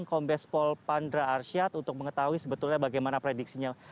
kombes pol pandra arsyad untuk mengetahui sebetulnya bagaimana prediksinya